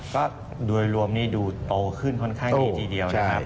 ก็โดยรวมนี่ดูโตขึ้นค่อนข้างดีทีเดียวนะครับ